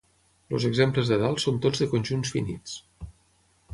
Els exemples de dalt són tots de conjunts finits.